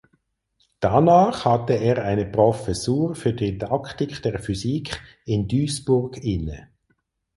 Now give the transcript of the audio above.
Danach hatte er eine Professur für Didaktik der Physik in Duisburg inne.